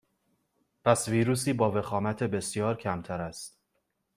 پس ویروسی با وخامت بسیار کمتر است